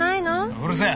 うるせえ！